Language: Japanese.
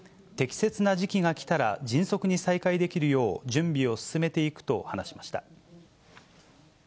適切な時期が来たら迅速に再開できるよう準備を進めていくと話し